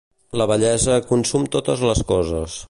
La vellesa consum totes les coses.